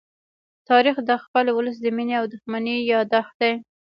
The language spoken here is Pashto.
تاریخ د خپل ولس د مینې او دښمنۍ يادښت دی.